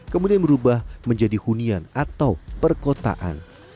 kemudian berubah menjadi hunian atau perkotaan